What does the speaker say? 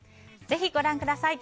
ぜひご覧ください。